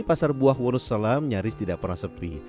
pasar buah wonosalam nyaris tidak pernah sepi